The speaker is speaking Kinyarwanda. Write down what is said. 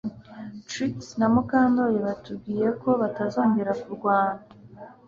Trix na Mukandoli batubwiye ko batazongera kurwana